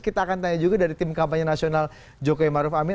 kita akan tanya juga dari tim kampanye nasional jokowi maruf amin